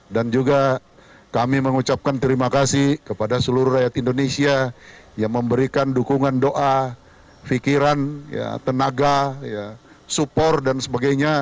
dan juga kami mengucapkan terima kasih kepada seluruh rakyat indonesia yang memberikan dukungan doa fikiran tenaga support dan sebagainya